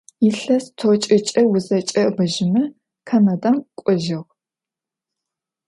Yilhes t'oç'ç'e vuzeç'e'ebejme Kanadem k'ojığ.